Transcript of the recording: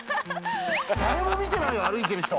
誰も見てないよ歩いてる人。